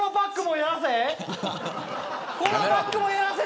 このパックもやらせ。